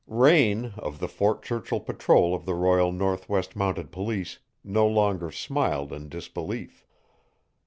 Raine, of the Fort Churchill patrol of the Royal Northwest Mounted Police, no longer smiled in disbelief.